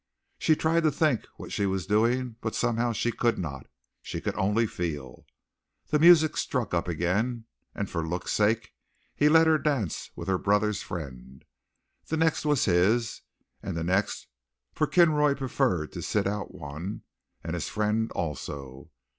She tried to think what she was doing, but somehow she could not she could only feel. The music struck up again, and for looks' sake he let her dance with her brother's friend. The next was his, and the next, for Kinroy preferred to sit out one, and his friend also.